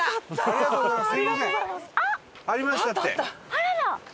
ありがとうございます！